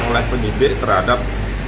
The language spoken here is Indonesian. oleh penyidik terhadap